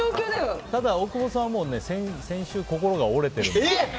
大久保さんは先週、心が折れてるので。